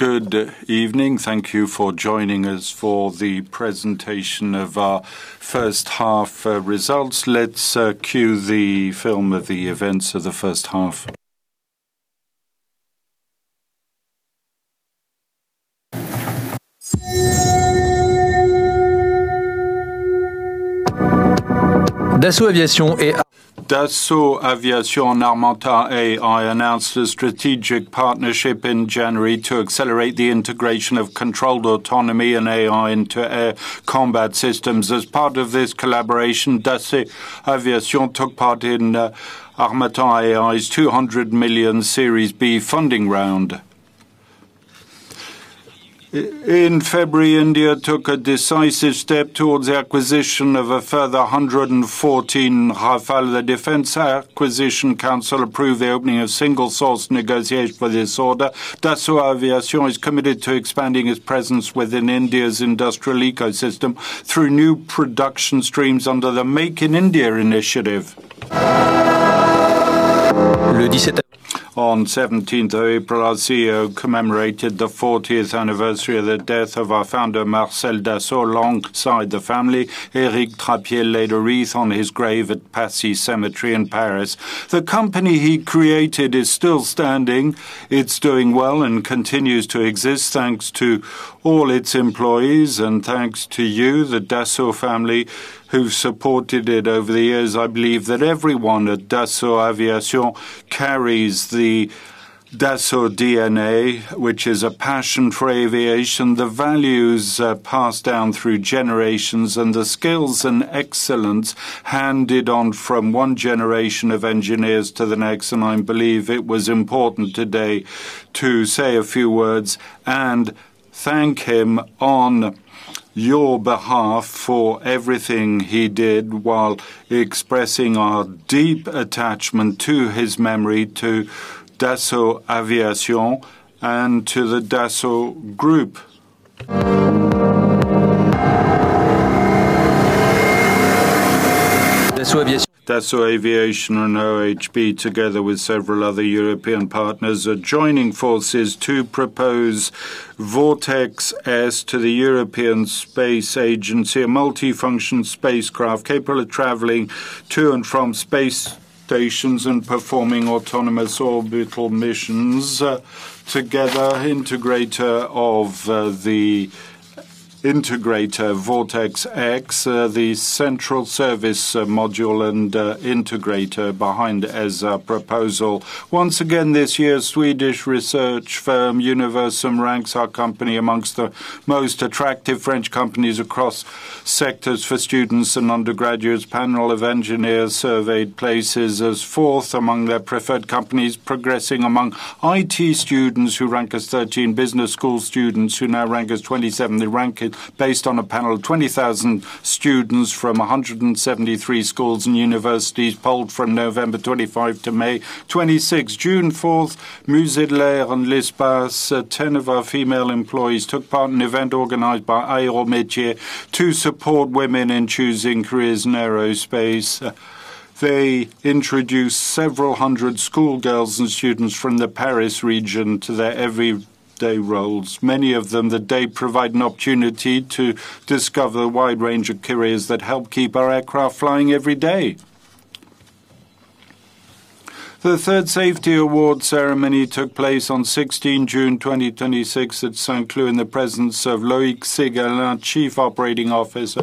Good evening. Thank you for joining us for the presentation of our first half results. Let's cue the film of the events of the first half. Dassault Aviation and Harmattan AI announced a strategic partnership in January to accelerate the integration of controlled autonomy and AI into air combat systems. As part of this collaboration, Dassault Aviation took part in Harmattan AI's 200 million Series B funding round. In February, India took a decisive step towards the acquisition of a further 114 Rafale. The Defense Acquisition Council approved the opening of single-source negotiations for this order. Dassault Aviation is committed to expanding its presence within India's industrial ecosystem through new production streams under the Make in India initiative. On 17th of April, our Chief Executive Officer commemorated the 40th anniversary of the death of our founder, Marcel Dassault. Alongside the family, Éric Trappier laid a wreath on his grave at Passy Cemetery in Paris. The company he created is still standing. It's doing well and continues to exist thanks to all its employees and thanks to you, the Dassault family, who've supported it over the years. I believe that everyone at Dassault Aviation carries the Dassault DNA, which is a passion for aviation, the values passed down through generations, and the skills and excellence handed on from one generation of engineers to the next. I believe it was important today to say a few words and thank him on your behalf for everything he did while expressing our deep attachment to his memory, to Dassault Aviation and to the Dassault Group. Dassault Aviation and OHB, together with several other European partners, are joining forces to propose VORTEX-S to the European Space Agency, a multifunction spacecraft capable of traveling to and from space stations and performing autonomous orbital missions. Together, integrator of the integrator VORTEX-S, the central service module and integrator behind ESA proposal. Once again, this year, Swedish research firm Universum ranks our company amongst the most attractive French companies across sectors for students and undergraduates. Panel of engineers surveyed places us fourth among their preferred companies, progressing among IT students who rank us 13, business school students who now rank us 27. They rank it based on a panel of 20,000 students from 173 schools and universities polled from November 25 to May 26. June 4th, Musée de l'Air et de l'Espace, 10 of our female employees took part in an event organized by Aérométiers to support women in choosing careers in aerospace. They introduced several hundred school girls and students from the Paris region to their everyday roles. Many of them, the day provide an opportunity to discover a wide range of careers that help keep our aircraft flying every day. The third safety award ceremony took place on June 16 2026 at Saint-Cloud in the presence of Loïk Ségalen, Chief Operating Officer.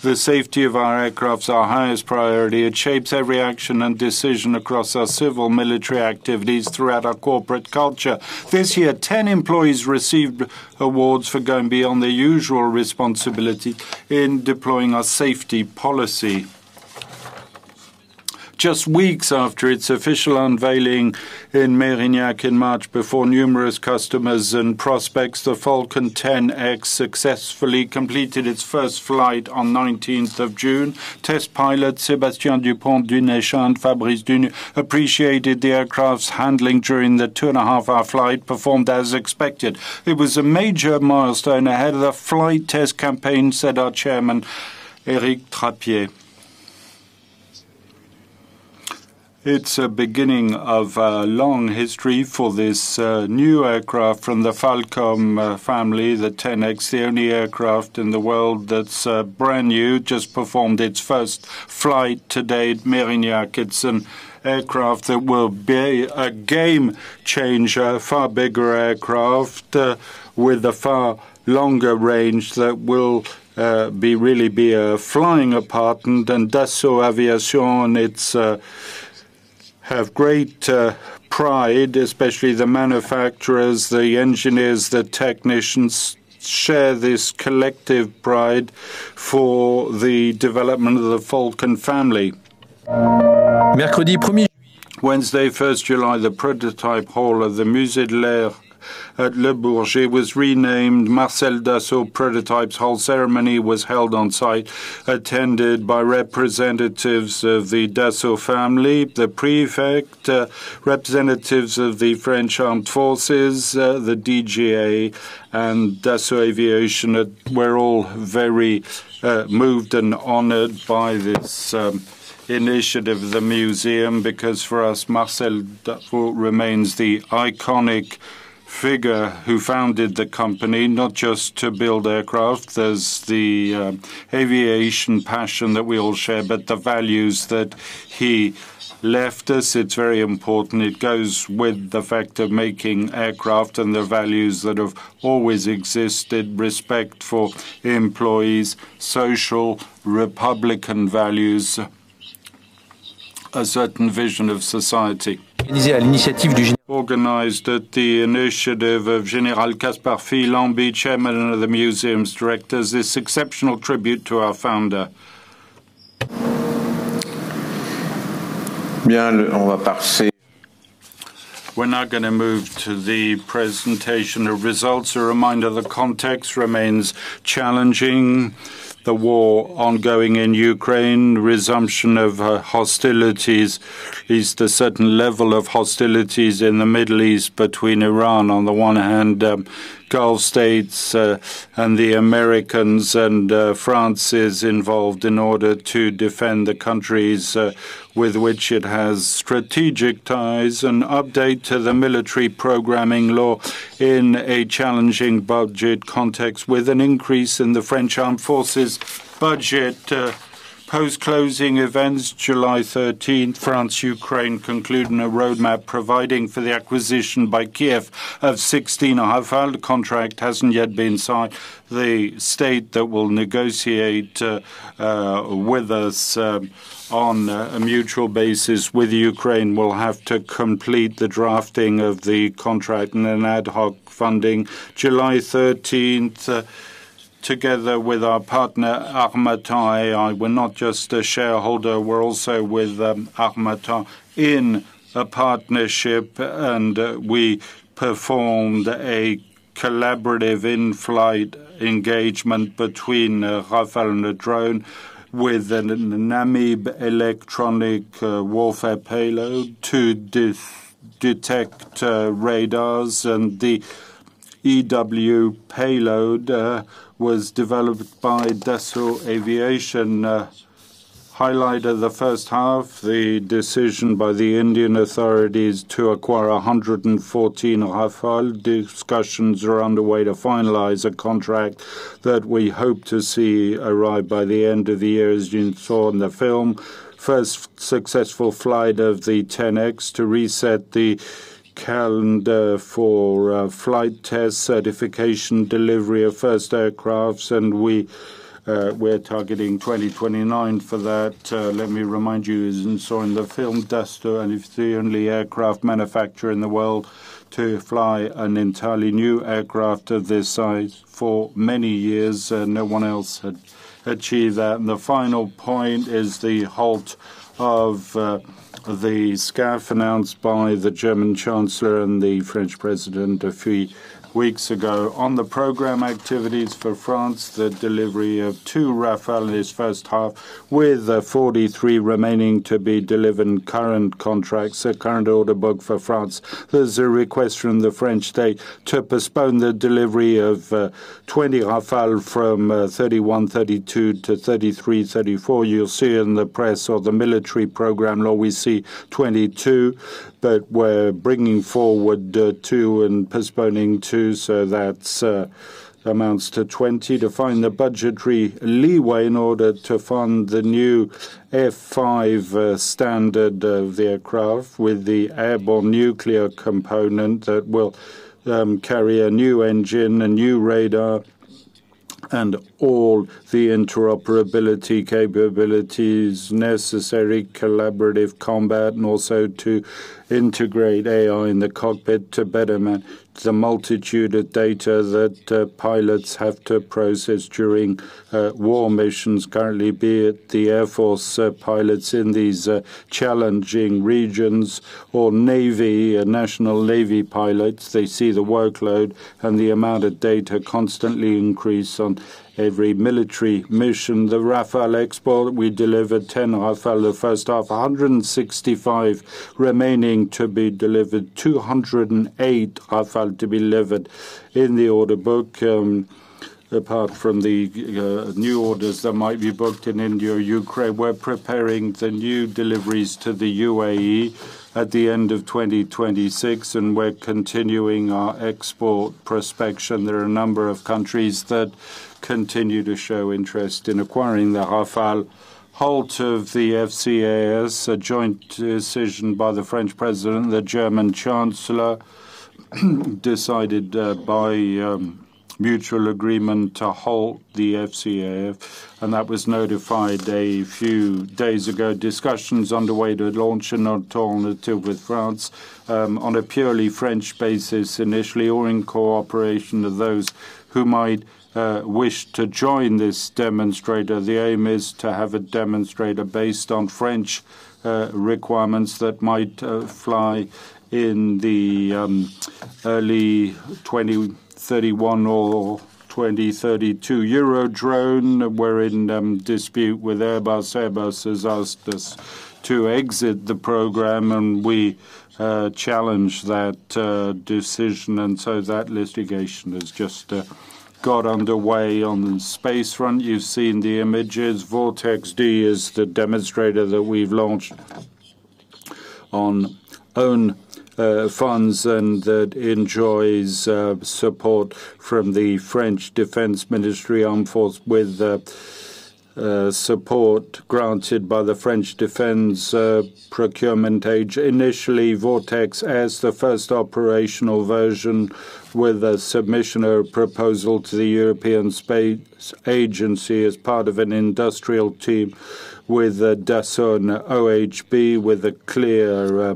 The safety of our aircraft is our highest priority. It shapes every action and decision across our civil military activities throughout our corporate culture. This year, 10 employees received awards for going beyond their usual responsibility in deploying our safety policy. Just weeks after its official unveiling in Mérignac in March before numerous customers and prospects, the Falcon 10X successfully completed its first flight on 19th of June. Test pilot Sébastien Dupont and Fabrice Dougnac appreciated the aircraft's handling during the two-and-a-half-hour flight performed as expected. "It was a major milestone ahead of the flight test campaign," said our Chairman, Éric Trappier. It's a beginning of a long history for this new aircraft from the Falcon family, the 10X, the only aircraft in the world that's brand new, just performed its first flight today at Mérignac. It's an aircraft that will be a game changer, a far bigger aircraft with a far longer range that will really be a flying apartment. Dassault Aviation have great pride, especially the manufacturers, the engineers, the technicians share this collective pride for the development of the Falcon family. Wednesday, 1st July, the prototype hall of the Musée de l'Air at Le Bourget was renamed Marcel Dassault Prototypes Hall. Ceremony was held on site, attended by representatives of the Dassault family, the prefect, representatives of the French Armed Forces, the DGA and Dassault Aviation. We're all very moved and honored by this initiative, the museum, because for us, Marcel Dassault remains the iconic figure who founded the company, not just to build aircraft. There's the aviation passion that we all share, but the values that he left us, it's very important. It goes with the fact of making aircraft and the values that have always existed, respect for employees, social republican values, a certain vision of society. Organized at the initiative of General Caspar-Fille-Lambie, chairman of the museum's directors, this exceptional tribute to our founder. We're now going to move to the presentation of results. A reminder, the context remains challenging. The war ongoing in Ukraine, resumption of hostilities, at least a certain level of hostilities in the Middle East between Iran on the one hand, Gulf States and the Americans. France is involved in order to defend the countries with which it has strategic ties. An update to the military programming law in a challenging budget context with an increase in the French Armed Forces budget. Post-closing events, July 13th, France/Ukraine concluding a roadmap providing for the acquisition by Kiev of 16. A half contract hasn't yet been signed. The state that will negotiate with us on a mutual basis with Ukraine will have to complete the drafting of the contract in an ad hoc funding. July 13th, together with our partner, Harmattan AI, we're not just a shareholder, we're also with Harmattan AI in a partnership, and we performed a collaborative in-flight engagement between Rafale and a drone with a NAMIB electronic warfare payload to detect radars. The EW payload was developed by Dassault Aviation. Highlight of the first half, the decision by the Indian authorities to acquire 114 Rafale. Discussions are underway to finalize a contract that we hope to see arrive by the end of the year, as you saw in the film. First successful flight of the 10X to reset the calendar for flight test certification, delivery of first aircraft. We're targeting 2029 for that. Let me remind you, as you saw in the film, Dassault is the only aircraft manufacturer in the world to fly an entirely new aircraft of this size for many years, and no one else had achieved that. The final point is the halt of the SCAF announced by the German chancellor and the French president a few weeks ago. On the program activities for France, the delivery of two Rafale in this first half, with 43 remaining to be delivered in current contracts. The current order book for France. There's a request from the French state to postpone the delivery of 20 Rafale from 2031-2032 to 2033-2034. You'll see in the press or the Military Program Law, we see 22, but we're bringing forward two and postponing two. That amounts to 20. To find the budgetary leeway in order to fund the new F5 standard of the aircraft with the airborne nuclear component that will carry a new engine, a new radar, and all the interoperability capabilities necessary, collaborative combat, and also to integrate AI in the cockpit to better manage the multitude of data that pilots have to process during war missions. Currently, be it the Air Force pilots in these challenging regions or Navy, National Navy pilots, they see the workload and the amount of data constantly increase on every military mission. The Rafale export, we delivered 10 Rafale the first half, 165 remaining to be delivered, 208 Rafale to be delivered in the order book. Apart from the new orders that might be booked in India or Ukraine, we're preparing the new deliveries to the UAE at the end of 2026, and we're continuing our export prospection. There are a number of countries that continue to show interest in acquiring the Rafale. Halt of the FCAS, a joint decision by the French president, the German chancellor, decided by mutual agreement to halt the FCAS. That was notified a few days ago. Discussions underway to launch an alternative with France, on a purely French basis initially, or in cooperation of those who might wish to join this demonstrator. The aim is to have a demonstrator based on French requirements that might fly in the early 2031 or 2032 Eurodrone. We're in dispute with Airbus. Airbus has asked us to exit the program. We challenged that decision. That litigation has just got underway. On the space front, you've seen the images. VORTEX-D is the demonstrator that we've launched on own funds. That enjoys support from the French Defense Ministry Armed Force with support granted by the French Defense Procurement Agency. Initially, VORTEX as the first operational version with a submission or proposal to the European Space Agency as part of an industrial team with Dassault and OHB with a clear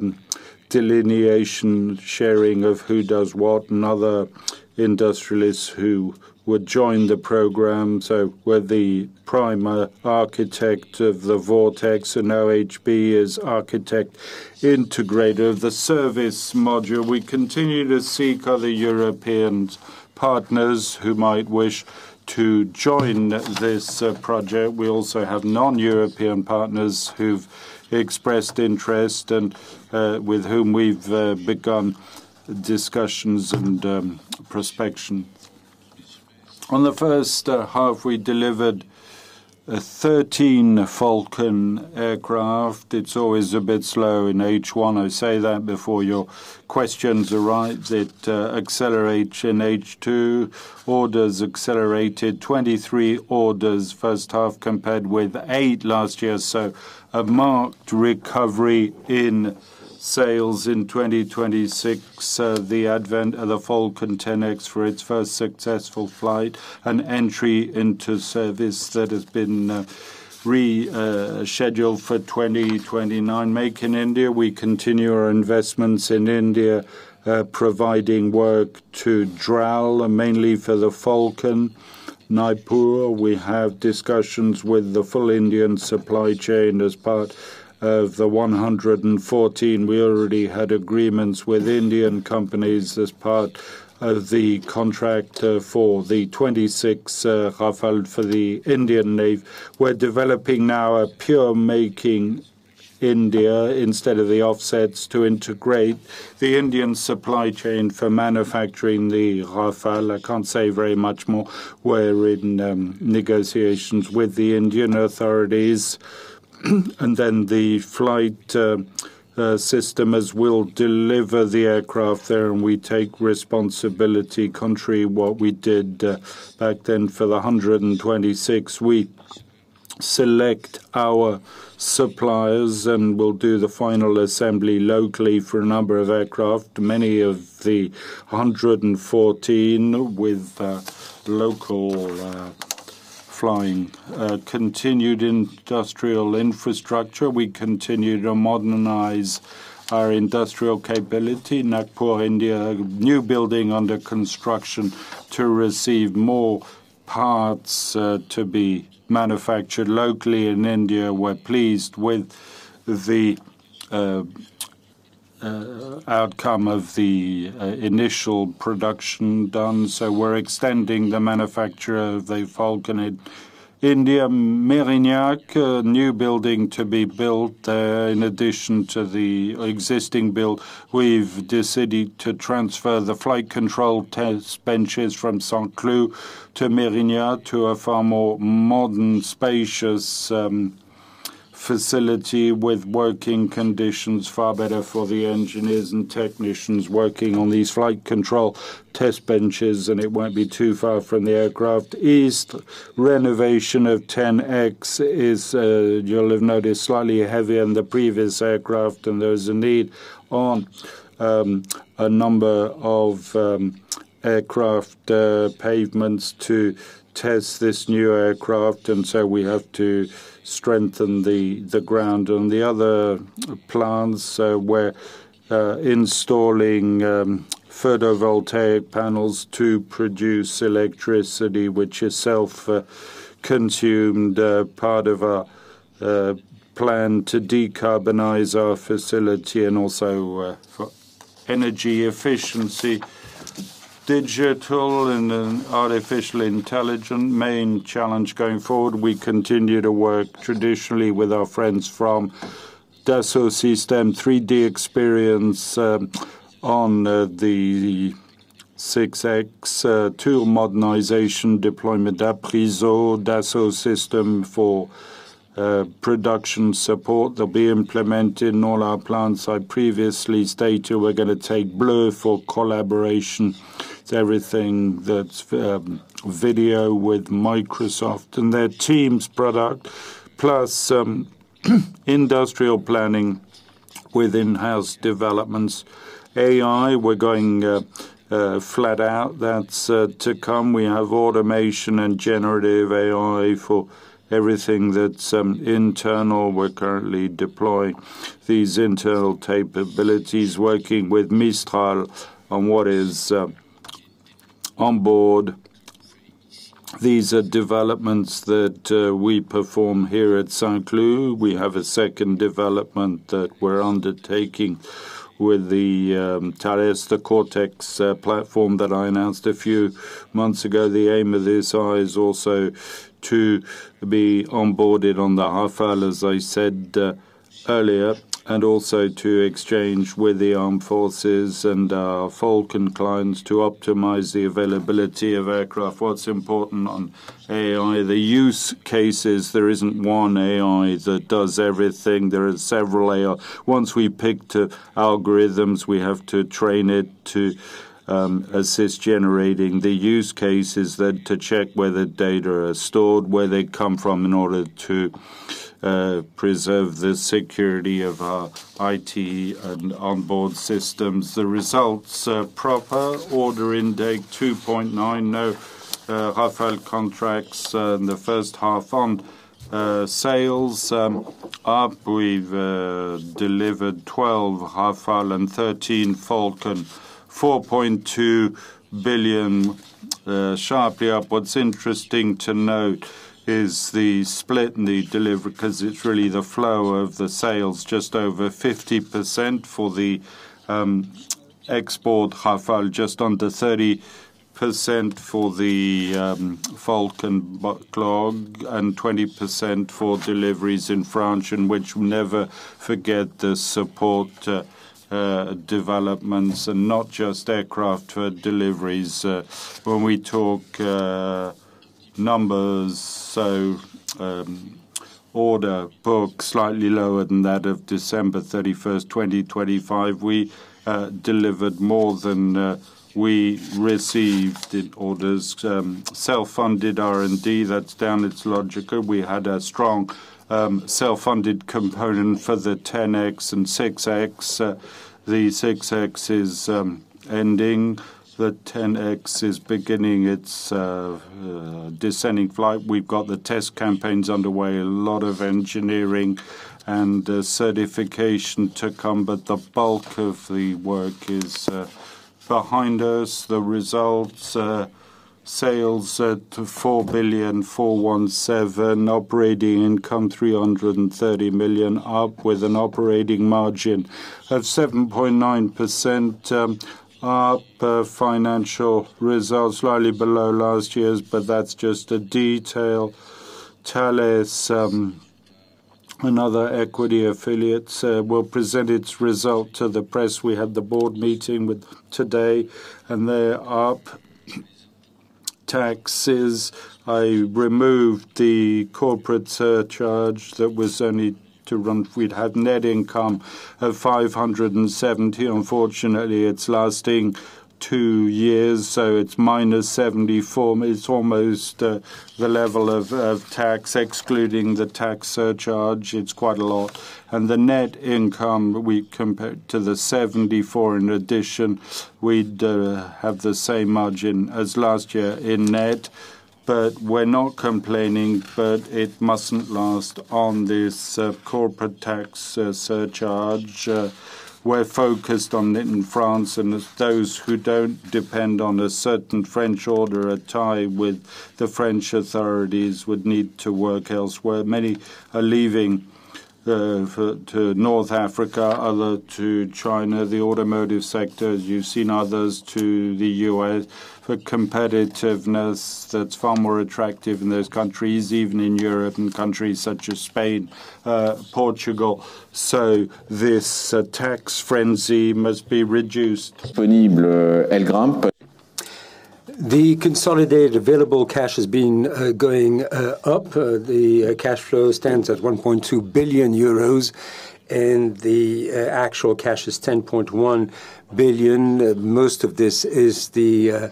delineation sharing of who does what and other industrialists who would join the program. We're the prime architect of the VORTEX. OHB is architect integrator of the service module. We continue to seek other European partners who might wish to join this project. We also have non-European partners who've expressed interest and with whom we've begun discussions and prospection. On the first half, we delivered 13 Falcon aircraft. It's always a bit slow in H1. I say that before your questions arise. It accelerates in H2. Orders accelerated, 23 orders first half compared with eight last year. A marked recovery in sales. In 2026, the advent of the Falcon 10X for its first successful flight, an entry into service that has been rescheduled for 2029. Make in India. We continue our investments in India, providing work to DRAL, mainly for the Falcon. Nagpur, we have discussions with the full Indian supply chain as part of the 114. We already had agreements with Indian companies as part of the contract for the 26 Rafale for the Indian Navy. We're developing now a pure Make in India instead of the offsets to integrate the Indian supply chain for manufacturing the Rafale. I can't say very much more. We're in negotiations with the Indian authorities. The flight system, as we'll deliver the aircraft there, and we take responsibility contrary what we did back then for the 126. We select our suppliers, and we'll do the final assembly locally for a number of aircraft. Many of the 114 with local flying. Continued industrial infrastructure. We continue to modernize our industrial capability. Nagpur, India, new building under construction to receive more parts to be manufactured locally in India. We're pleased with the outcome of the initial production done. We're extending the manufacture of the Falcon in India. Mérignac, new building to be built there in addition to the existing build. We've decided to transfer the flight control test benches from Saint-Cloud to Mérignac to a far more modern, spacious facility with working conditions far better for the engineers and technicians working on these flight control test benches, and it won't be too far from the aircraft. Istres, renovation of 10X is, you'll have noticed, slightly heavier than the previous aircraft, and there's a need on a number of aircraft pavements to test this new aircraft, and we have to strengthen the ground. On the other plants, we're installing photovoltaic panels to produce electricity, which is self-consumed, part of our plan to decarbonize our facility and also for energy efficiency. Digital and artificial intelligence, main challenge going forward. We continue to work traditionally with our friends from Dassault Systèmes, 3DEXPERIENCE on the 6X2 modernization deployment, APRISO, Dassault Systèmes for production support. They'll be implemented in all our plants. I previously stated we're going to take Blue for collaboration. It's everything that's video with Microsoft and their Teams product, plus industrial planning with in-house developments. AI, we're going flat out. That's to come. We have automation and generative AI for everything that's internal. We're currently deploying these internal capabilities, working with Mistral on what is on board. These are developments that we perform here at Saint-Cloud. We have a second development that we're undertaking with Thales, the Cortex platform that I announced a few months ago. The aim of this is also to be onboarded on the Rafale, as I said earlier, and also to exchange with the armed forces and our Falcon clients to optimize the availability of aircraft. What's important on AI, the use cases, there isn't one AI that does everything. There are several AI. Once we pick the algorithms, we have to train it to assist generating the use cases. To check where the data are stored, where they come from in order to preserve the security of our IT and onboard systems. The results, proper order intake 2.9 billion, no Rafale contracts in the first half. Sales up. We've delivered 12 Rafale and 13 Falcon, 4.2 billion sharply up. What's interesting to note is the split in the delivery, because it's really the flow of the sales, just over 50% for the export Rafale, just under 30% for the Falcon backlog, and 20% for deliveries in France. Which never forget the support developments and not just aircraft deliveries. When we talk numbers, Order book slightly lower than that of December 31st, 2025. We delivered more than we received in orders. Self-funded R&D, that's down, it's logical. We had a strong self-funded component for the 10X and 6X. The 6X is ending. The 10X is beginning its descending flight. We've got the test campaigns underway. A lot of engineering and certification to come, The bulk of the work is behind us. The results, sales at 4.417 billion, operating income 330 million up, with an operating margin of 7.9% up. Financial results slightly below last year's, That's just a detail. Thales, another equity affiliate, will present its result to the press. We had the board meeting today, They're up. Taxes, I removed the corporate surcharge that was only to run. We'd had net income of 570 million. Unfortunately, it's lasting two years, it's minus 74 million. It's almost the level of tax, excluding the tax surcharge. It's quite a lot. The net income we compared to the 74 million. In addition, we'd have the same margin as last year in net. We're not complaining, but it mustn't last on this corporate tax surcharge. We're focused on it in France, Those who don't depend on a certain French order, a tie with the French authorities would need to work elsewhere. Many are leaving for North Africa, others to China, the automotive sector, as you've seen others, to the U.S., for competitiveness that's far more attractive in those countries, even in Europe and countries such as Spain, Portugal. This tax frenzy must be reduced. The consolidated available cash has been going up. The cash flow stands at 1.2 billion euros, and the actual cash is 10.1 billion. Most of this is the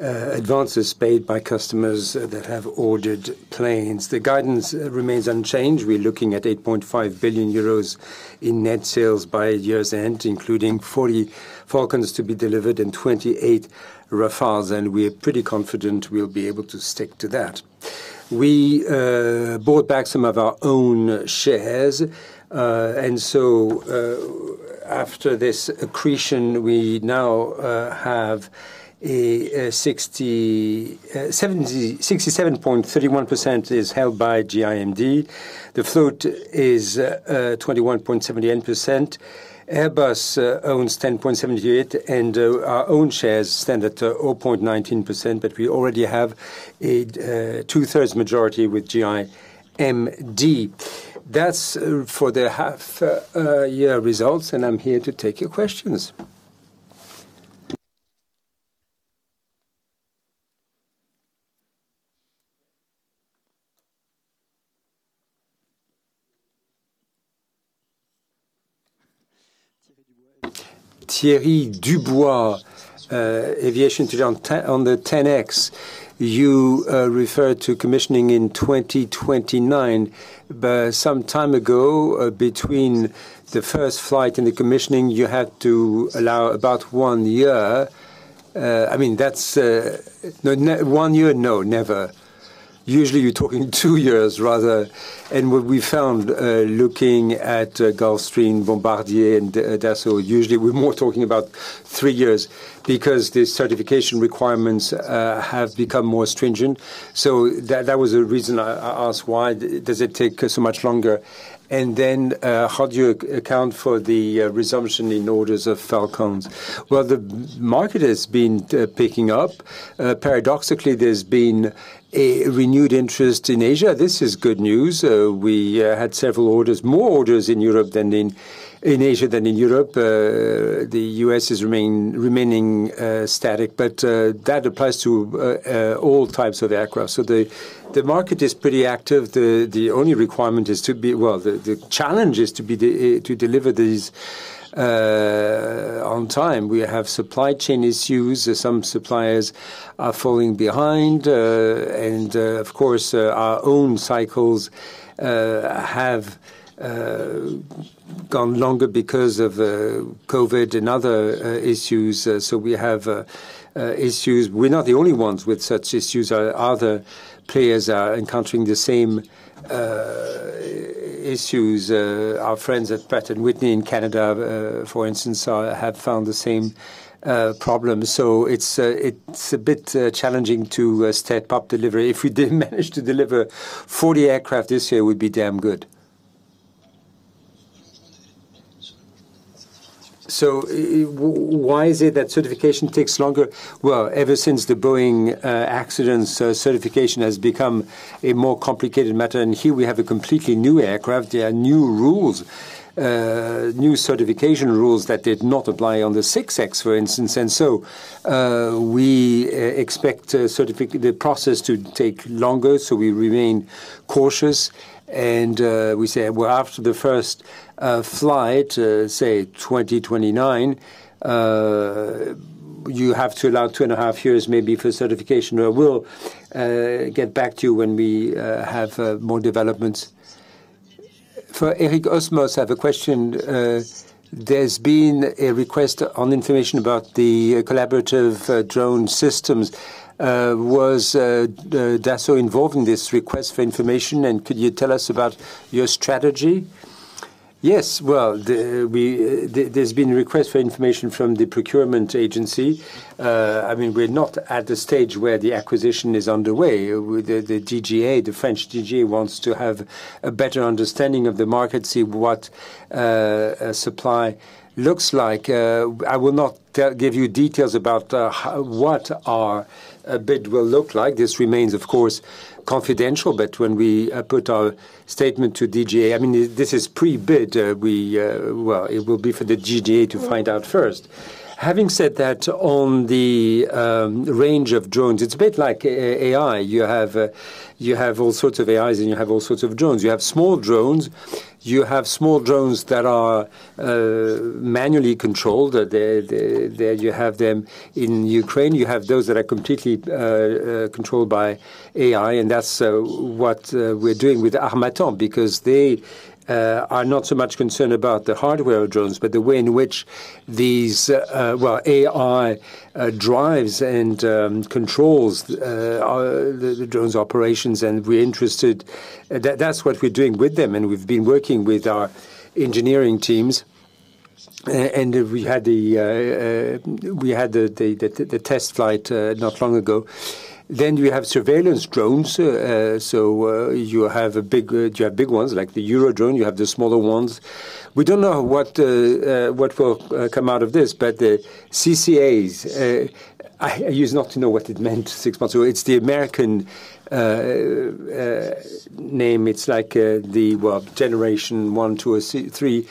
advances paid by customers that have ordered planes. The guidance remains unchanged. We're looking at 8.5 billion euros in net sales by year's end, including 40 Falcons to be delivered and 28 Rafales, We're pretty confident we'll be able to stick to that. We bought back some of our own shares. After this accretion, we now have 67.31% is held by GIMD. The float is 21.78%. Airbus owns 10.78%, Our own shares stand at 0.19%, We already have a two-thirds majority with GIMD. That's for the half-year results, I'm here to take your questions. Thierry Dubois, Aviation on the 10X, you referred to commissioning in 2029, Some time ago, between the first flight and the commissioning, you had to allow about one year. One year? No, never Usually you are talking wo years rather. What we found looking at Gulfstream, Bombardier, and Dassault, usually we are more talking about three years because the certification requirements have become more stringent. That was the reason I asked why does it take so much longer. How do you account for the resumption in orders of Falcons? The market has been picking up. Paradoxically, there has been a renewed interest in Asia. This is good news. We had several more orders in Asia than in Europe. The U.S. is remaining static, but that applies to all types of aircraft. The market is pretty active. The only requirement is to be. The challenge is to deliver these on time. We have supply chain issues, some suppliers are falling behind, and of course, our own cycles have gone longer because of COVID and other issues. We have issues. We are not the only ones with such issues. Other players are encountering the same issues. Our friends at Pratt & Whitney in Canada, for instance, have found the same problems. It is a bit challenging to step up delivery. If we did manage to deliver 40 aircraft this year, it would be damn good. Why is it that certification takes longer? Ever since the Boeing accidents, certification has become a more complicated matter. Here we have a completely new aircraft. There are new rules, new certification rules that did not apply on the 6X, for instance. We expect the process to take longer, so we remain cautious and we say, after the first flight, say 2029, you have to allow two and a half years maybe for certification. We will get back to you when we have more developments. For Éric, I have a question. There has been a request on information about the collaborative drone systems. Was Dassault involved in this request for information, and could you tell us about your strategy? Yes. There has been requests for information from the procurement agency. We are not at the stage where the acquisition is underway. The DGA, the French DGA wants to have a better understanding of the market, see what supply looks like. I will not give you details about what our bid will look like. This remains, of course, confidential, but when we put our statement to DGA, this is pre-bid. It will be for the DGA to find out first. Having said that, on the range of drones, it is a bit like AI. You have all sorts of AIs, and you have all sorts of drones. You have small drones. You have small drones that are manually controlled. You have them in Ukraine. You have those that are completely controlled by AI, and that is what we are doing with Harmattan, because they are not so much concerned about the hardware of drones, but the way in which these AI drives and controls the drones operations, and we are interested. That is what we are doing with them, and we have been working with our engineering teams. We had the test flight not long ago. We have surveillance drones. You have big ones like the Eurodrone. You have the smaller ones. We do not know what will come out of this, but the CCAs. I used not to know what it meant six months ago. It is the American name. It is like the generation one, two, or three.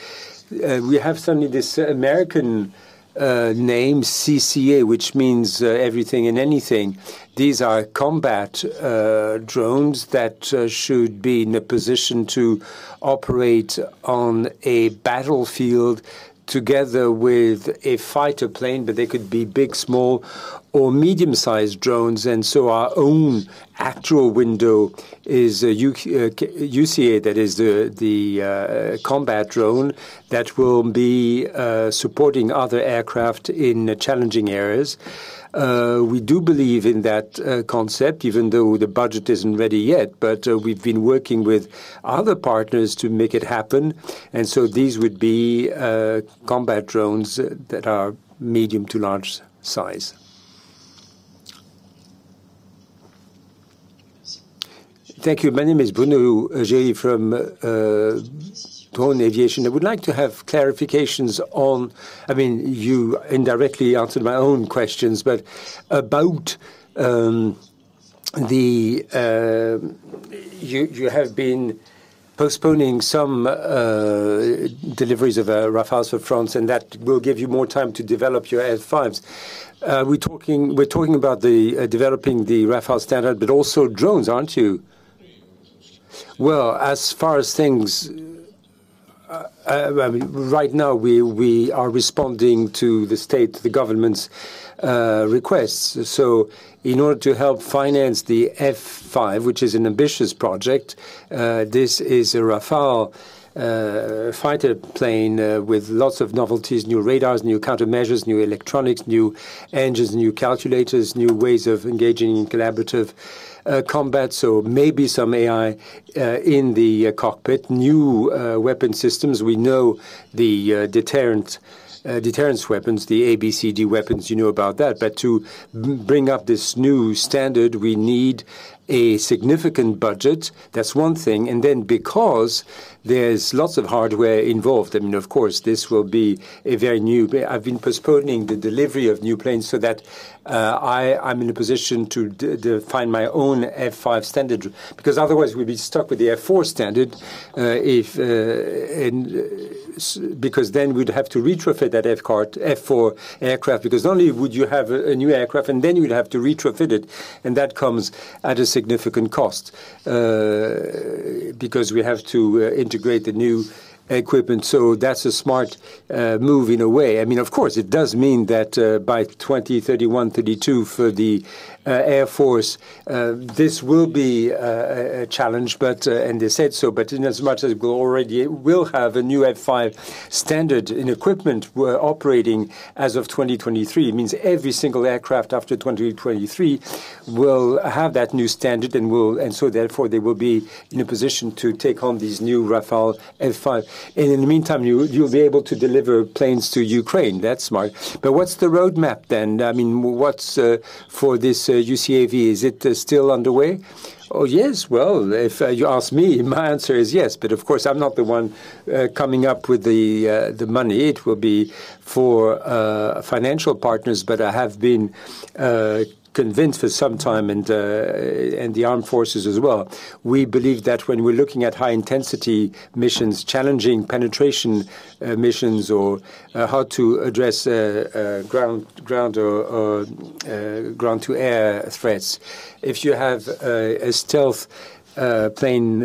We have suddenly this American name, CCA, which means everything and anything. These are combat drones that should be in a position to operate on a battlefield together with a fighter plane, but they could be big, small, or medium-sized drones. Our own actual window is UCAV, that is the combat drone that will be supporting other aircraft in challenging areas. We do believe in that concept, even though the budget isn't ready yet. We've been working with other partners to make it happen, and these would be combat drones that are medium to large size. Thank you. My name is Bruno Gerit from Drona Aviation. I would like to have clarifications. You indirectly answered my own questions, but about the postponing some deliveries of Rafales for France, and that will give you more time to develop your F5s. We're talking about developing the Rafale standard, but also drones, aren't you? Well, as far as things, right now, we are responding to the state, the government's requests. In order to help finance the F5, which is an ambitious project, this is a Rafale fighter plane with lots of novelties, new radars, new countermeasures, new electronics, new engines, new calculators, new ways of engaging in collaborative combat, so maybe some AI in the cockpit. New weapon systems. We know the deterrence weapons, the ABCD weapons, you know about that. To bring up this new standard, we need a significant budget. That's one thing. Because there's lots of hardware involved, of course, this will be very new. I've been postponing the delivery of new planes so that I'm in a position to define my own F5 standard, because otherwise, we'd be stuck with the F4 standard, because then we'd have to retrofit that F4 aircraft, because not only would you have a new aircraft, and then you would have to retrofit it, and that comes at a significant cost, because we have to integrate the new equipment. That's a smart move in a way. Of course, it does mean that by 2031, 2032 for the Air Force, this will be a challenge, and they said so. Inasmuch as we already will have a new F5 standard in equipment operating as of 2023, it means every single aircraft after 2023 will have that new standard, therefore they will be in a position to take home these new Rafale F5. In the meantime, you'll be able to deliver planes to Ukraine. That's smart. What's the roadmap then? What's for this UCAV? Is it still underway? Oh, yes. Well, if you ask me, my answer is yes. Of course, I'm not the one coming up with the money. It will be for financial partners. I have been convinced for some time, and the armed forces as well, we believe that when we're looking at high-intensity missions, challenging penetration missions, or how to address ground or ground-to-air threats, if you have a stealth plane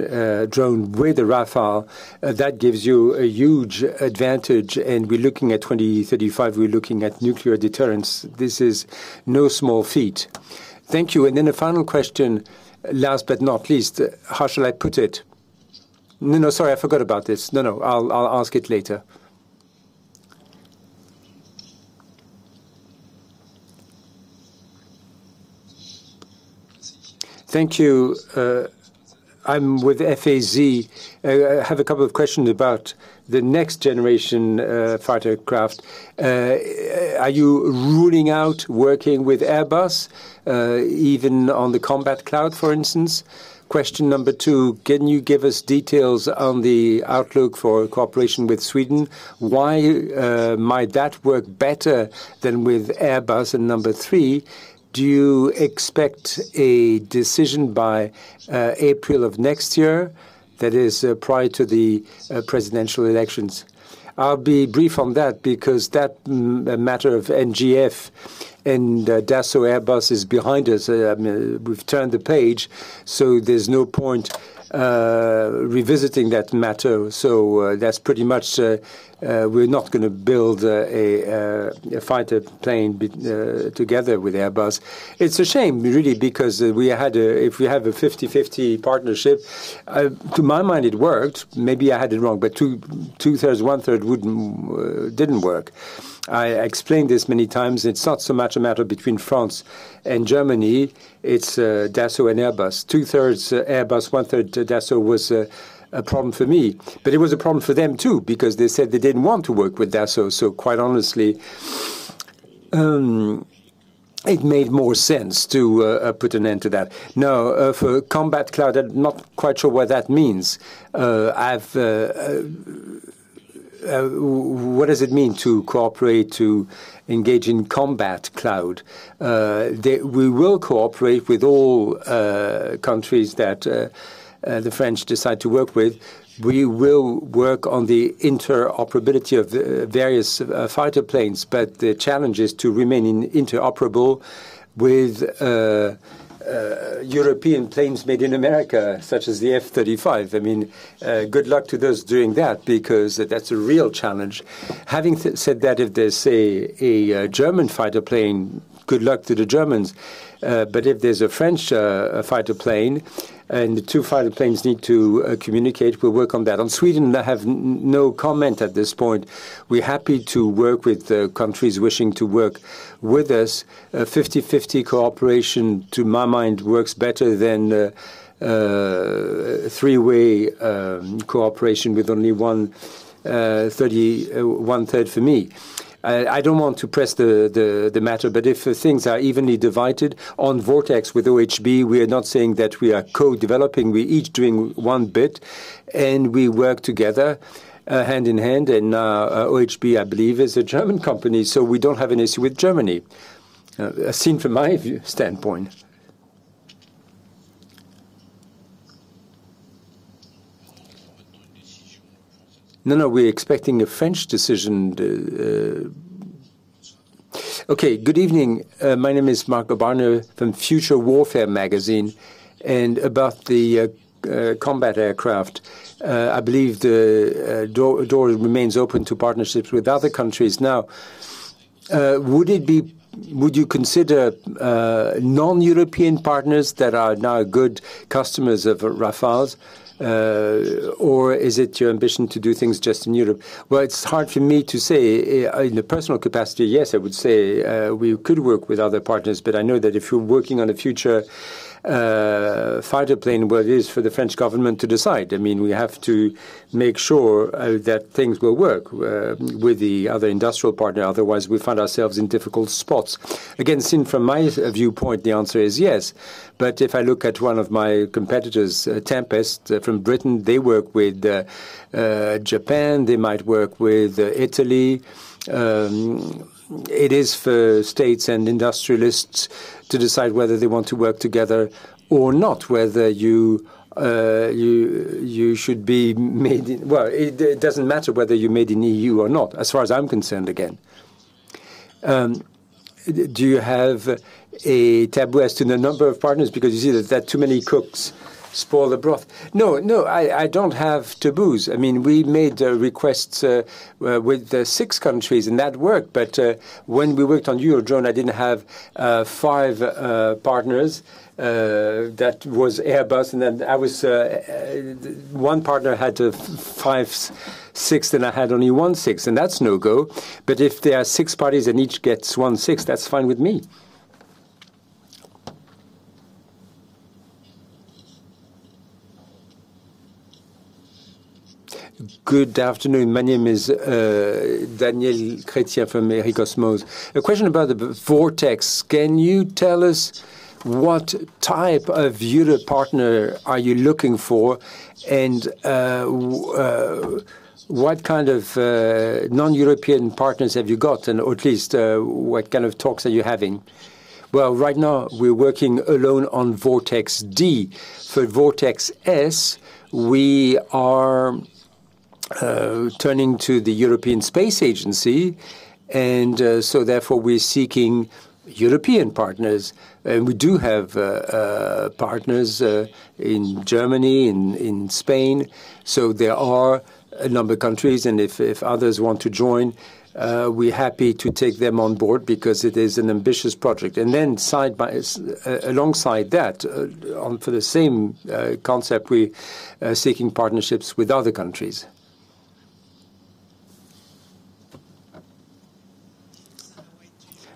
drone with a Rafale, that gives you a huge advantage, and we're looking at 2035, we're looking at nuclear deterrence. This is no small feat. Thank you. A final question, last but not least, how shall I put it? No, sorry, I forgot about this. No, I'll ask it later. Thank you. I'm with FAZ. I have a couple of questions about the next generation fighter craft. Are you ruling out working with Airbus, even on the combat cloud, for instance? Question number two, can you give us details on the outlook for cooperation with Sweden? Why might that work better than with Airbus? Number three, do you expect a decision by April of next year, that is, prior to the presidential elections? I'll be brief on that because that matter of NGF and Dassault Airbus is behind us. We've turned the page, so there's no point revisiting that matter. That's pretty much, we're not going to build a fighter plane together with Airbus. It's a shame, really, because if we have a 50/50 partnership, to my mind, it worked. Maybe I had it wrong, but 2/3, 1/3 didn't work. I explained this many times. It's not so much a matter between France and Germany. It's Dassault and Airbus. 2/3 Airbus, 1/3 Dassault was a problem for me. It was a problem for them, too, because they said they didn't want to work with Dassault, quite honestly, it made more sense to put an end to that. For combat cloud, I'm not quite sure what that means. What does it mean to cooperate to engage in combat cloud? We will cooperate with all countries that the French decide to work with. We will work on the interoperability of various fighter planes, but the challenge is to remain interoperable with European planes made in America, such as the F35. Good luck to those doing that because that's a real challenge. Having said that, if there's a German fighter plane, good luck to the Germans. If there's a French fighter plane and the two fighter planes need to communicate, we'll work on that. On Sweden, I have no comment at this point. We're happy to work with countries wishing to work with us. A 50/50 cooperation, to my mind, works better than a three-way cooperation with only 1/3 for me. I don't want to press the matter, but if things are evenly divided on VORTEX with OHB, we are not saying that we are co-developing. We're each doing one bit, and we work together hand in hand. OHB, I believe, is a German company, we don't have an issue with Germany, seen from my viewpoint standpoint. We're expecting a French decision. Good evening. My name is Marco Barone from Future Warfare Magazine, about the combat aircraft. I believe the door remains open to partnerships with other countries. Would you consider non-European partners that are now good customers of Rafales, or is it your ambition to do things just in Europe? It's hard for me to say. In a personal capacity, yes, I would say we could work with other partners, I know that if you're working on a future fighter plane, it is for the French government to decide. We have to make sure that things will work with the other industrial partner, otherwise, we'll find ourselves in difficult spots. Again, from my viewpoint, the answer is yes. If I look at one of my competitors, Tempest from Britain, they work with Japan, they might work with Italy. It is for states and industrialists to decide whether they want to work together or not. It doesn't matter whether you're made in EU or not, as far as I'm concerned again. Do you have a taboo as to the number of partners because you see that too many cooks spoil the broth? No, I don't have taboos. We made requests with six countries, that worked. When we worked on Eurodrone, I didn't have five partners. That was Airbus, one partner had 5/6, I had only 1/6, that's no-go. If there are six parties and each gets 1/6, that's fine with me. Good afternoon. My name is Daniel Chrétien from Air & Cosmos. A question about the VORTEX. Can you tell us what type of Europe partner are you looking for, what kind of non-European partners have you got, at least what kind of talks are you having? Right now, we're working alone on VORTEX-D. For VORTEX-S, we are turning to the European Space Agency, we're seeking European partners. We do have partners in Germany, in Spain. There are a number of countries, if others want to join, we're happy to take them on board because it is an ambitious project. Alongside that, for the same concept, we're seeking partnerships with other countries.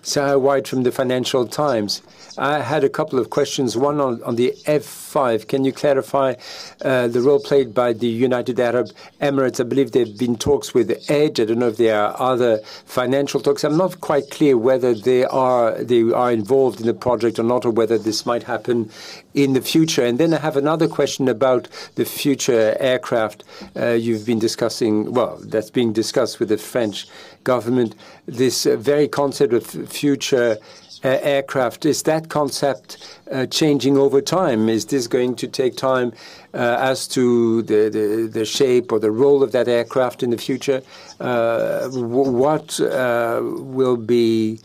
Sarah White from the Financial Times. I had a couple of questions, one on the F5. Can you clarify the role played by the United Arab Emirates? I believe there have been talks with EDGE Group. I don't know if there are other financial talks. I'm not quite clear whether they are involved in the project or not, whether this might happen in the future. I have another question about the future aircraft you've been discussing. That's being discussed with the French government. This very concept of future aircraft, is that concept changing over time? Is this going to take time as to the shape or the role of that aircraft in the future? What will be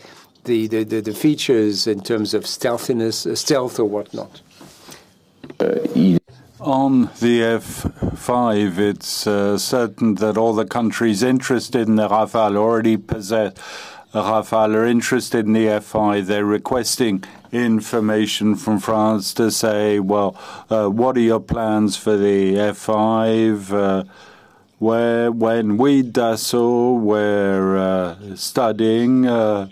the features in terms of stealth or whatnot? On the F5, it's certain that all the countries interested in the Rafale already possess the Rafale, are interested in the F5. They're requesting information from France to say, "What are your plans for the F5?" When we Dassault were studying the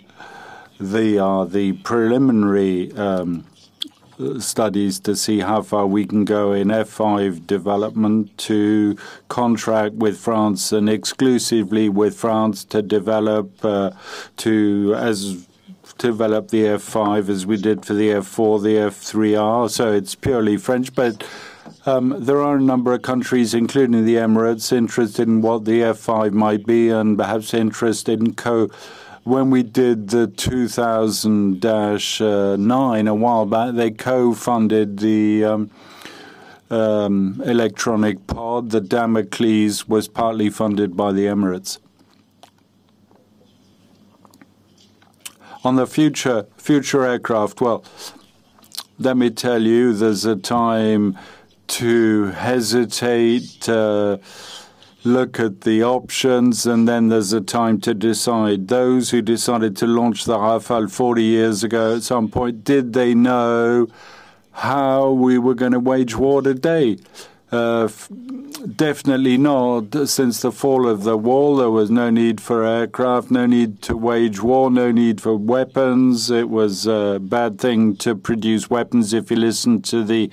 preliminary studies to see how far we can go in F5 development to contract with France and exclusively with France to develop the F5 as we did for the F4, the F3R. It's purely French, there are a number of countries, including the Emirates, interested in what the F5 might be, perhaps interested in. When we did the 2009, a while back, they co-funded the electronic pod. The Damocles was partly funded by the Emirates. On the future aircraft, let me tell you, there's a time to hesitate, to look at the options, there's a time to decide. Those who decided to launch the Rafale 40 years ago, at some point, did they know how we were going to wage war today? Definitely not. Since the fall of the wall, there was no need for aircraft, no need to wage war, no need for weapons. It was a bad thing to produce weapons, if you listen to the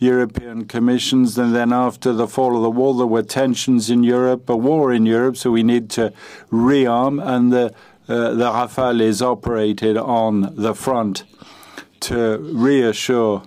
European commissions. After the fall of the wall, there were tensions in Europe, a war in Europe, so we need to re-arm, and the Rafale is operated on the front. To reassure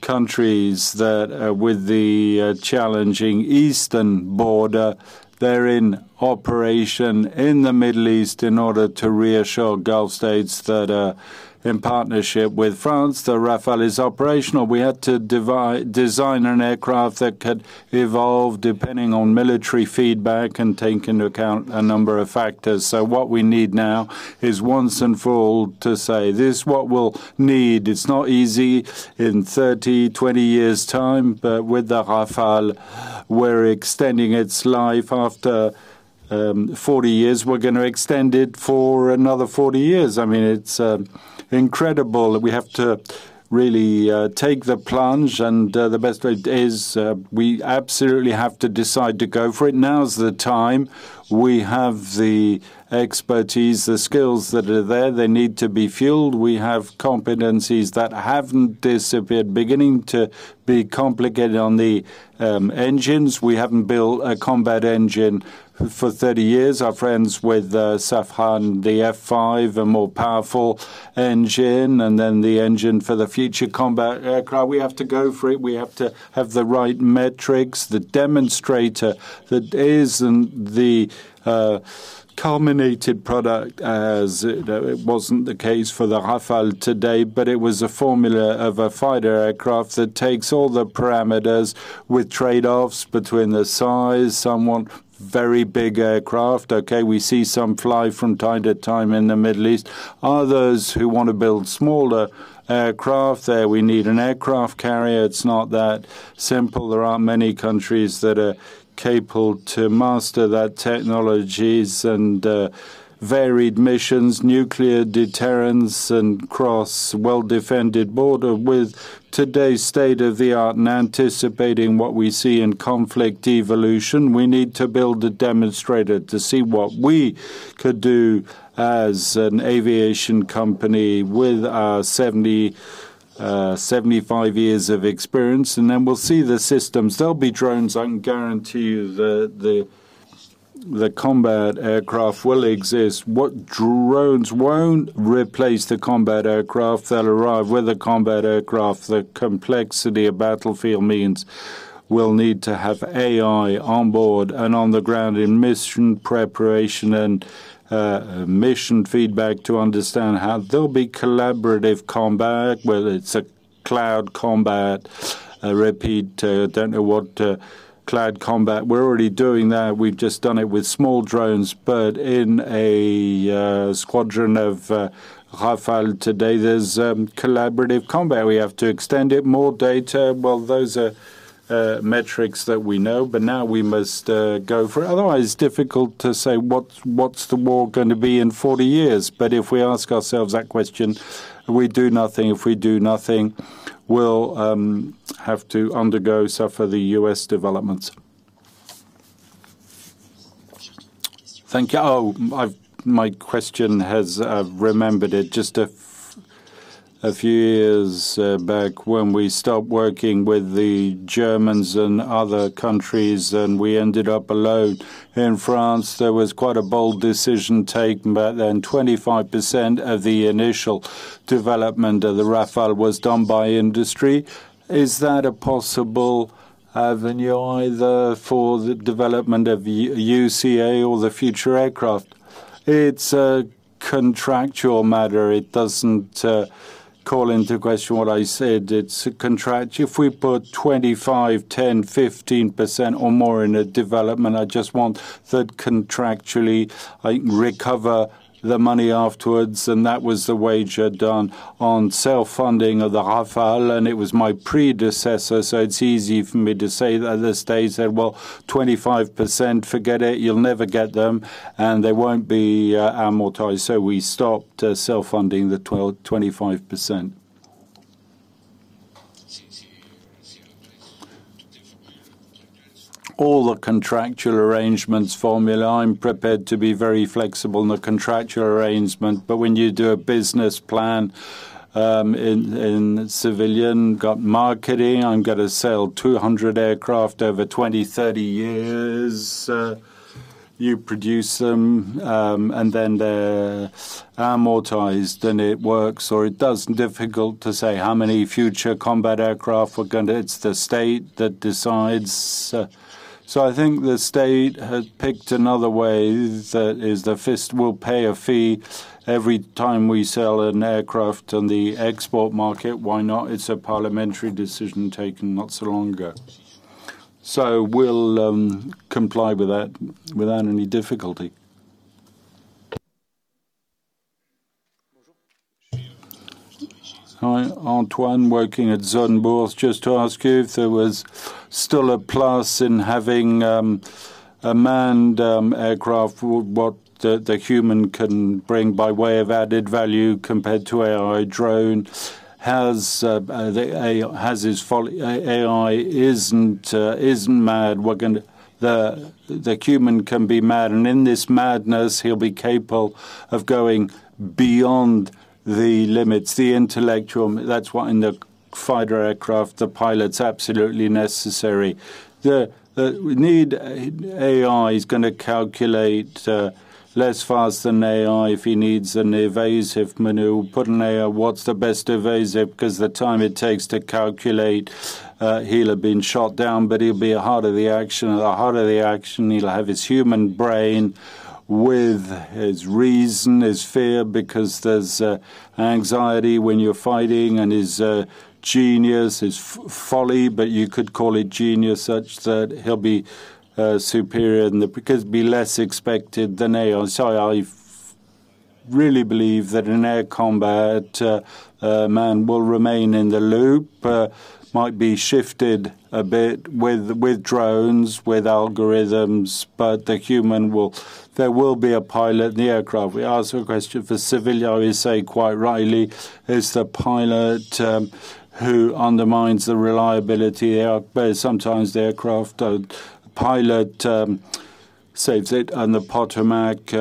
countries that with the challenging eastern border, they're in operation in the Middle East in order to reassure Gulf States that, in partnership with France, the Rafale is operational. We had to design an aircraft that could evolve depending on military feedback and take into account a number of factors. What we need now is once and for all to say, "This is what we'll need." It's not easy in 30, 20 years' time, but with the Rafale, we're extending its life after 40 years. We're going to extend it for another 40 years. It's incredible. We have to really take the plunge, and the best way is we absolutely have to decide to go for it. Now is the time. We have the expertise, the skills that are there. They need to be fueled. We have competencies that haven't disappeared, beginning to be complicated on the engines. We haven't built a combat engine for 30 years. Our friends with the Safran, the F5, a more powerful engine, and the engine for the future combat aircraft. We have to go for it. We have to have the right metrics, the demonstrator that isn't the culminated product, as it wasn't the case for the Rafale today, but it was a formula of a fighter aircraft that takes all the parameters with trade-offs between the size. Some want very big aircraft. Okay, we see some fly from time to time in the Middle East. Others who want to build smaller aircraft. There, we need an aircraft carrier. It's not that simple. There aren't many countries that are capable to master that technologies and varied missions, nuclear deterrence, and cross well-defended border. With today's state-of-the-art and anticipating what we see in conflict evolution, we need to build a demonstrator to see what we could do as an aviation company with our 75 years of experience. Then we'll see the systems. There'll be drones, I can guarantee you the combat aircraft will exist. What drones won't replace the combat aircraft that arrive with a combat aircraft, the complexity of battlefield means we'll need to have AI on board and on the ground in mission preparation and mission feedback to understand how there'll be collaborative combat, whether it's a cloud combat, a repeat, don't know what cloud combat. We're already doing that. We've just done it with small drones, but in a squadron of Rafale today, there's collaborative combat. We have to extend it, more data. Well, those are metrics that we know, but now we must go for it. Otherwise, it's difficult to say what's the war going to be in 40 years. But if we ask ourselves that question, we do nothing. If we do nothing, we'll have to undergo, suffer the U.S. developments. Thank you. I've remembered it. Just a few years back when we stopped working with the Germans and other countries. We ended up alone. In France, there was quite a bold decision taken back then, 25% of the initial development of the Rafale was done by industry. Is that a possible avenue either for the development of UCA or the future aircraft? It's a contractual matter. It doesn't call into question what I said. It's a contract. If we put 25%, 10%, 15% or more in a development, I just want that contractually, I recover the money afterwards, and that was the wager done on self-funding of the Rafale, and it was my predecessor, so it's easy for me to say that the state said, "Well, 25%, forget it. You'll never get them, and they won't be amortized." We stopped self-funding the 25%. All the contractual arrangements formula, I'm prepared to be very flexible in the contractual arrangement. When you do a business plan in civilian marketing, I'm going to sell 200 aircraft over 20, 30 years. You produce them, they're amortized, it works, or it doesn't. Difficult to say how many future combat aircraft we're going to. It's the state that decides. I think the state has picked another way, that is the state will pay a fee every time we sell an aircraft on the export market. Why not? It's a parliamentary decision taken not so long ago. We'll comply with that without any difficulty. Hi, Antoine working at Sonnenburs. Just to ask you if there was still a plus in having a manned aircraft, what the human can bring by way of added value compared to AI drone? AI isn't mad. The human can be mad. In this madness, he'll be capable of going beyond the limits, the intellectual. That's why in the Fighter aircraft, the pilot's absolutely necessary. AI is going to calculate less fast than AI if he needs an evasive maneuver. Put an AI, what's the best evasive? The time it takes to calculate, he'll have been shot down, but he'll be heart of the action. The heart of the action, he'll have his human brain with his reason, his fear, because there's anxiety when you're fighting, his genius, his folly, but you could call it genius, such that he'll be superior because it'll be less expected than AI. I really believe that in air combat, man will remain in the loop. Might be shifted a bit with drones, with algorithms, but there will be a pilot in the aircraft. We ask a question for civilian, we say quite rightly, it's the pilot who undermines the reliability, but sometimes the aircraft pilot saves it. On the Potomac,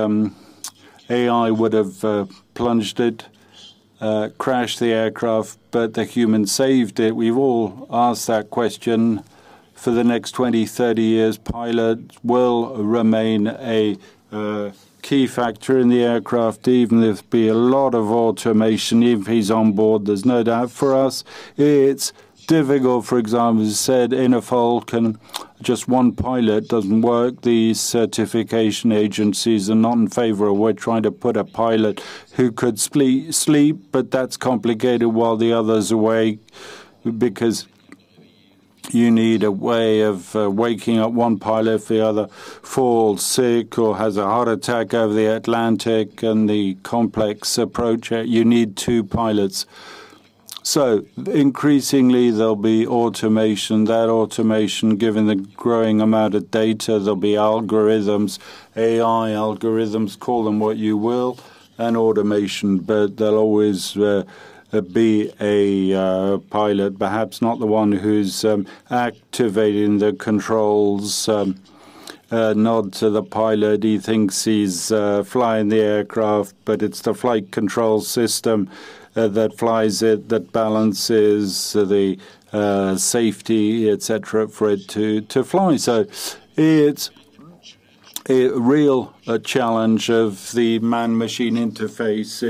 AI would've plunged it, crashed the aircraft, but the human saved it. We've all asked that question. For the next 20, 30 years, pilot will remain a key factor in the aircraft, even if there'll be a lot of automation, even if he's on board, there's no doubt. For us, it's difficult, for example, as I said, in a Falcon, just one pilot doesn't work. The certification agencies are not in favor of we're trying to put a pilot who could sleep, but that's complicated while the other's awake, because you need a way of waking up one pilot if the other falls sick or has a heart attack over the Atlantic and the complex approach. You need two pilots. Increasingly, there'll be automation. That automation, given the growing amount of data, there'll be algorithms, AI algorithms, call them what you will, and automation. There'll always be a pilot, perhaps not the one who's activating the controls. Nod to the pilot. He thinks he's flying the aircraft, but it's the flight control system that flies it, that balances the safety, et cetera, for it to fly. It's a real challenge of the man-machine interface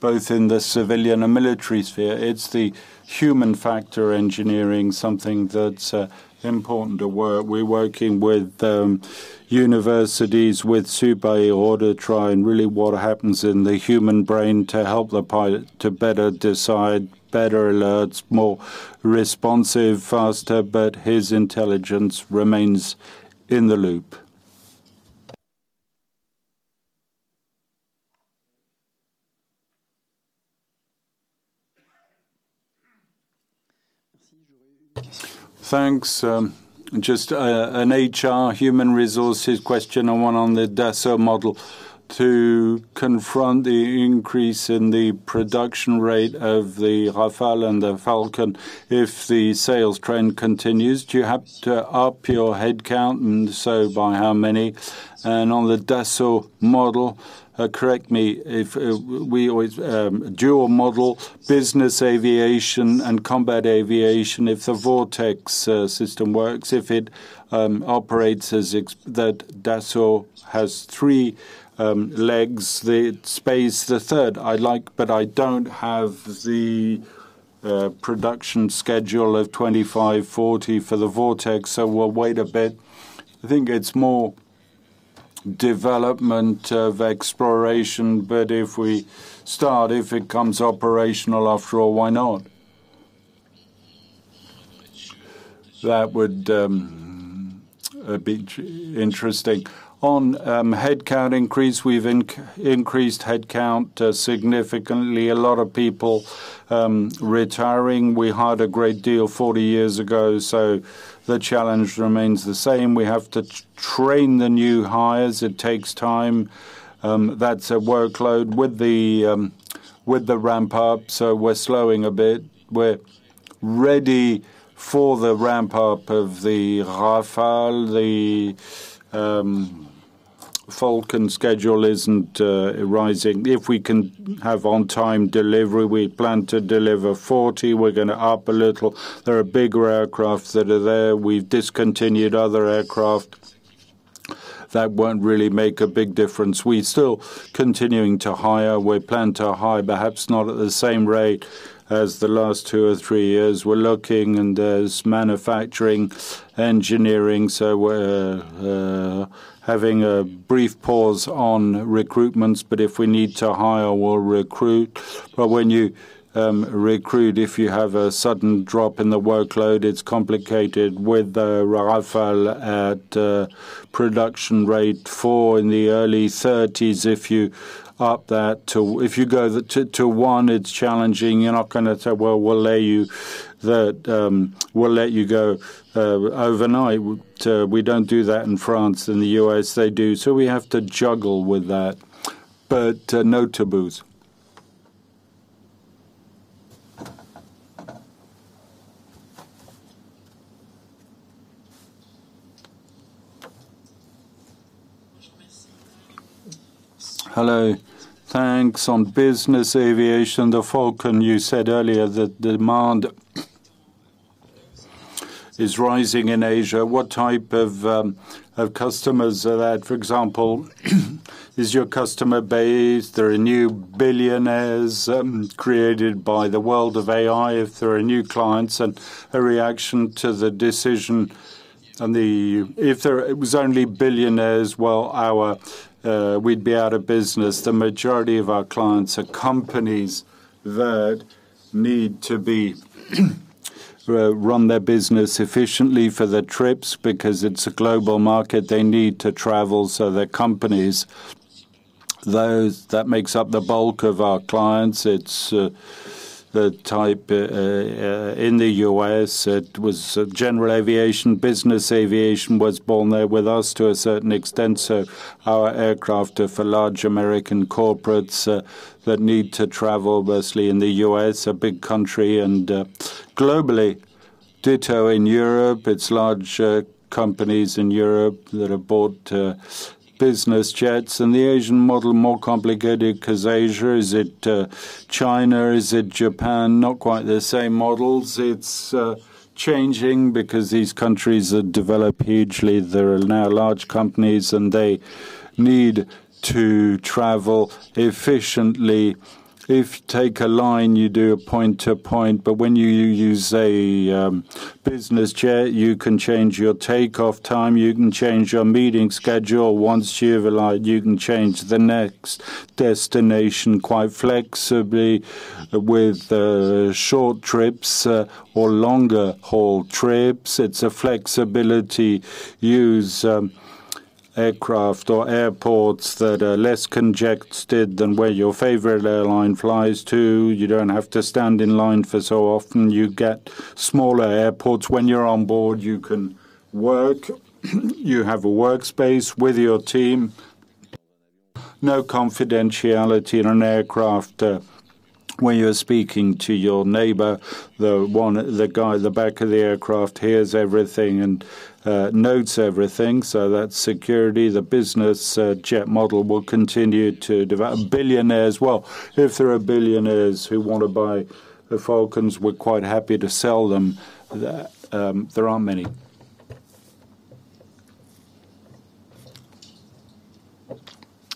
both in the civilian and military sphere. It's the human factor engineering, something that's important. We're working with universities, with ISAE-SUPAERO to try and really what happens in the human brain to help the pilot to better decide, better alerts, more responsive, faster, but his intelligence remains in the loop. Thanks. Just an HR, human resources question, and one on the Dassault model. To confront the increase in the production rate of the Rafale and the Falcon, if the sales trend continues, do you have to up your headcount, by how many? On the Dassault model, correct me, dual model, business aviation and combat aviation, if the VORTEX system works, if it operates as that Dassault has three legs, the space, the third. I don't have the production schedule of 25/40 for the VORTEX, so we'll wait a bit. I think it's more development of exploration, if we start, if it comes operational after all, why not? That would be interesting. On headcount increase, we've increased headcount significantly. A lot of people retiring. We hired a great deal 40 years ago, the challenge remains the same. We have to train the new hires. It takes time. That's a workload with the ramp up, we're slowing a bit. We're ready for the ramp-up of the Rafale. The Falcon schedule isn't rising. If we can have on-time delivery, we plan to deliver 40. We're going to up a little. There are bigger aircrafts that are there. We've discontinued other aircraft that won't really make a big difference. We're still continuing to hire. We plan to hire perhaps not at the same rate as the last two or three years. We're looking, there's manufacturing, engineering, we're having a brief pause on recruitments. If we need to hire, we'll recruit. When you recruit, if you have a sudden drop in the workload, it's complicated with the Rafale at production rate four in the early 30s. If you go to one, it's challenging. You're not going to say, "Well, we'll let you go overnight." We don't do that in France. In the U.S., they do. We have to juggle with that. No taboos. Hello. Thanks. On business aviation, the Falcon, you said earlier that demand is rising in Asia. What type of customers are that? For example, is your customer base, there are new billionaires created by the world of AI, if there are new clients and a reaction to the decision on the EU. If it was only billionaires, well, we'd be out of business. The majority of our clients are companies that need to run their business efficiently for their trips because it's a global market. They need to travel. They're companies. That makes up the bulk of our clients. It's the type, in the U.S., it was general aviation. Business aviation was born there with us to a certain extent. Our aircraft are for large American corporates that need to travel, mostly in the U.S., a big country, and globally. Ditto in Europe. It's large companies in Europe that have bought business jets. The Asian model, more complicated because Asia, is it China, is it Japan? Not quite the same models. It's changing because these countries have developed hugely. There are now large companies, and they need to travel efficiently. If you take a line, you do a point to point, but when you use a business jet, you can change your takeoff time. You can change your meeting schedule. Once you've arrived, you can change the next destination quite flexibly with short trips or longer haul trips. It's a flexibility. Use aircraft or airports that are less congested than where your favorite airline flies to. You don't have to stand in line for so often. You get smaller airports. When you're on board, you can work. You have a workspace with your team. No confidentiality in an aircraft when you're speaking to your neighbor. The guy at the back of the aircraft hears everything and notes everything. That security, the business jet model will continue to develop. Billionaires, well, if there are billionaires who want to buy Falcons, we're quite happy to sell them. There aren't many.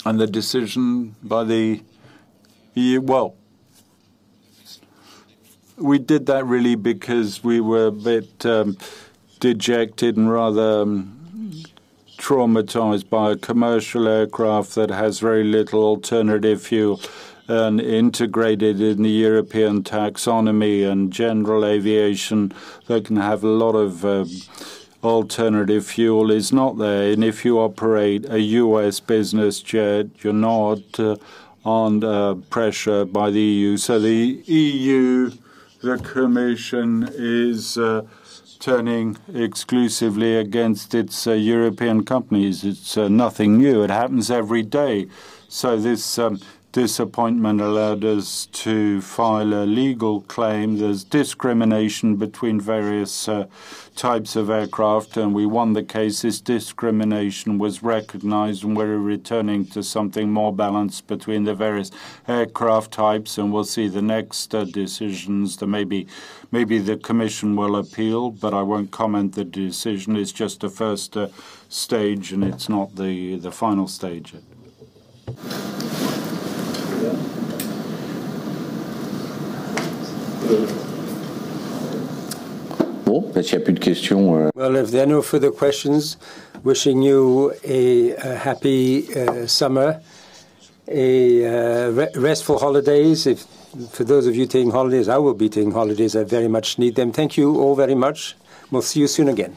The decision by the EU, well, we did that really because we were a bit dejected and rather traumatized by a commercial aircraft that has very little alternative fuel and integrated in the European taxonomy and general aviation that can have a lot of alternative fuel is not there. If you operate a U.S. business jet, you're not under pressure by the EU. The EU, the Commission, is turning exclusively against its European companies. It's nothing new. It happens every day. This disappointment allowed us to file a legal claim. There's discrimination between various types of aircraft, and we won the case. This discrimination was recognized, and we're returning to something more balanced between the various aircraft types, and we'll see the next decisions. Maybe the Commission will appeal, but I won't comment. The decision is just a stage one, and it's not the final stage yet. Well, if there are no further questions, wishing you a happy summer, a restful holidays. For those of you taking holidays, I will be taking holidays. I very much need them. Thank you all very much. We'll see you soon again.